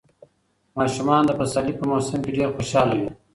ماشومان د پسرلي په موسم کې ډېر خوشاله وي.